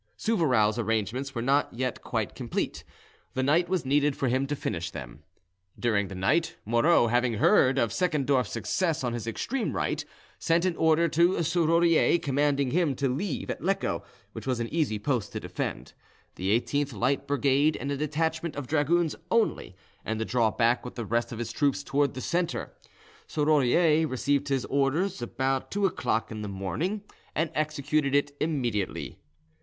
Souvarow's arrangements were not yet quite complete, the night was needed for him to finish them. During the night, Moreau, having heard of Seckendorff's success on his extreme right, sent an order to Serrurier commanding him to leave at Lecco, which was an easy post to defend, the 18th light brigade and a detachment of dragoons only, and to draw back with the rest of his troops towards the centre. Serrurier received this order about two o'clock in the morning, and executed it immediately.